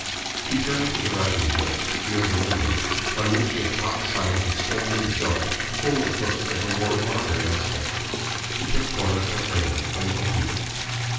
He turned to the writing desk near the window, on which he had caught sight of a standing shelf full of books of a more modern aspect. He picked one up at random and opened it.